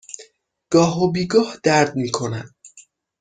گاه و بیگاه درد می کند.